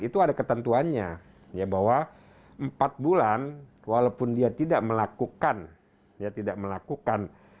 itu ada ketentuannya bahwa empat bulan walaupun dia tidak melakukan